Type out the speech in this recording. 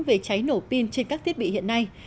về cháy nổ pin trên các thiết bị hiện nay